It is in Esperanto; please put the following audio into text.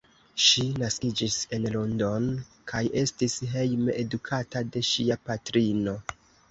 Ŝi naskiĝis en London kaj estis hejme edukata de ŝia patrino.